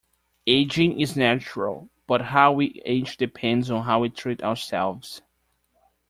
Aging is natural, but how we age depends on how we treat ourselves.